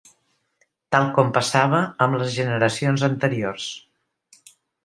Tal com passava amb les generacions anteriors.